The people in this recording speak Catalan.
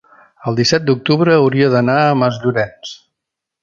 el disset d'octubre hauria d'anar a Masllorenç.